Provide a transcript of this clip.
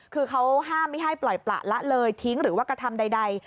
คือเขาห้ามไม่ให้ปล่อยประละเลยทิ้งหรือว่ากระทำใด